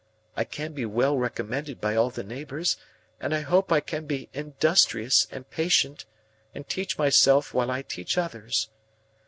I can be well recommended by all the neighbours, and I hope I can be industrious and patient, and teach myself while I teach others.